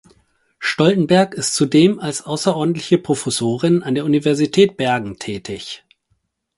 Stoltenberg ist zudem als außerordentliche Professorin an der Universität Bergen tätig.